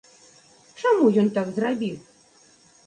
Чаму ён так зрабіў?